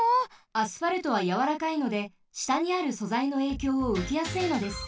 アスファルトはやわらかいのでしたにあるそざいのえいきょうをうけやすいのです。